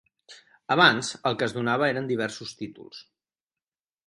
Abans, el que es donava eren diversos títols.